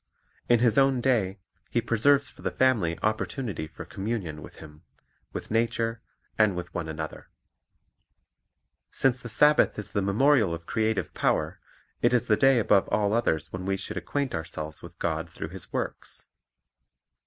In His own day He preserves for the family opportunity for communion with Him, with nature, and with one another. Since the Sabbath is the memorial of creative power, it is the day above all others when we should acquaint ourselves with God through His works.